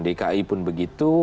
dki pun begitu